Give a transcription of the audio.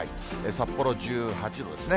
札幌１８度ですね。